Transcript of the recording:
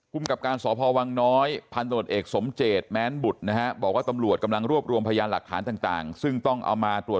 คุมกับการสอบภาววังน้อยพันธนตรวจเอกสมเจตแม้นบุตรนะฮะ